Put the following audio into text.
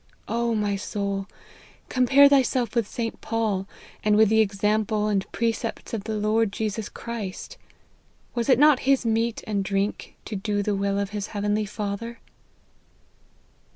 " O my soul, compare thyself with St. Paul, and with the example and precepts of the Lord Jesus Christ. Was it not his meat and drink to do the will of his heavenly Father?"